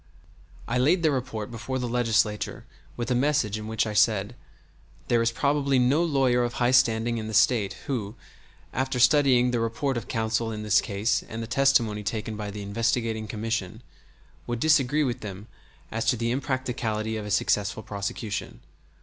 I laid their report before the Legislature with a message in which I said: "There is probably no lawyer of high standing in the State who, after studying the report of counsel in this case and the testimony taken by the investigating commission, would disagree with them as to the impracticability of a successful prosecution.